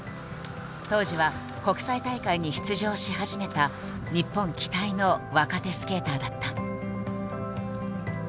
当時は国際大会に出場し始めた日本期待の若手スケーターだった。